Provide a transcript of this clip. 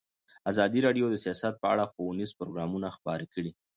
ازادي راډیو د سیاست په اړه ښوونیز پروګرامونه خپاره کړي.